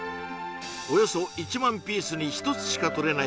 およそ１万ピースに１つしか採れない